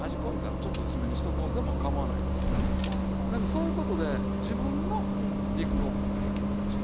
そういうことで自分の肉ごぼうが出来るわけでしょ。